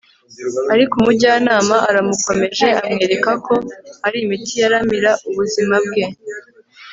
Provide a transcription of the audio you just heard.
ariko umujyanama aramukomeje amwerekako hari imiti yaramira ubuzima bwe